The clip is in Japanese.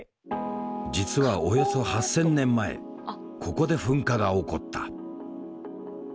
実はおよそ８，０００年前ここで噴火が起こった。